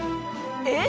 えっ！？